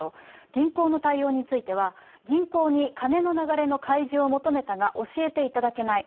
銀行の対応については、銀行に金の流れの開示を求めたが教えていただけない。